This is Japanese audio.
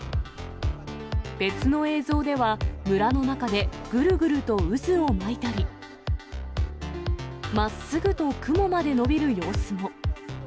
別の映像では、村の中で、ぐるぐると渦を巻いたり、まっすぐと雲まで伸びる様子も。